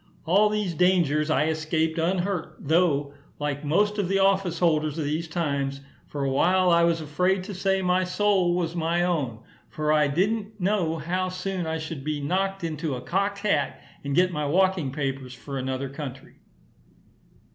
All these dangers I escaped unhurt, though, like most of the office holders of these times, for a while I was afraid to say my soul was my own; for I didn't know how soon I should be knocked into a cocked hat, and get my walking papers for another country.